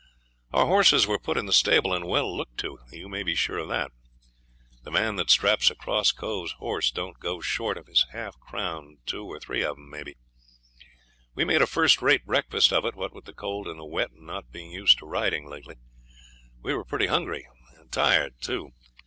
Our horses were put in the stable and well looked to, you may be sure. The man that straps a cross cove's horse don't go short of his half crown two or three of them, maybe. We made a first rate breakfast of it; what with the cold and the wet and not being used to riding lately, we were pretty hungry, and tired too.